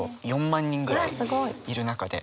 ４万人ぐらいいる中で。